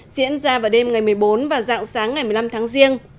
diễn ra vào đêm ngày một mươi bốn và dạng sáng ngày một mươi năm tháng riêng